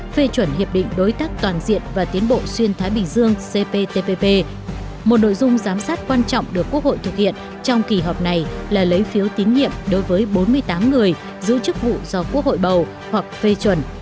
phê chuẩn hiệp định đối tác toàn diện và tiến bộ xuyên thái bình dương cptpp một nội dung giám sát quan trọng được quốc hội thực hiện trong kỳ họp này là lấy phiếu tín nhiệm đối với bốn mươi tám người giữ chức vụ do quốc hội bầu hoặc phê chuẩn